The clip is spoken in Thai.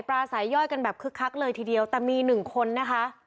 สายย่อยกันแบบคึกคักเลยทีเดียวแต่มีหนึ่งคนนะคะ